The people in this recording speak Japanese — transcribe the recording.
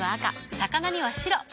魚には白。